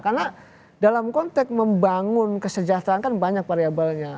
karena dalam konteks membangun kesejahteraan kan banyak variabelnya